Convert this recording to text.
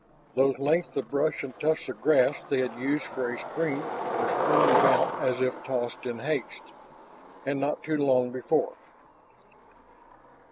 Those lengths of brush and tufts of grass they had used for a screen were strewn about as if tossed in haste. And not too long before....